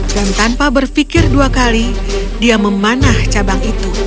dan tanpa berpikir dua kali dia memanah cabang itu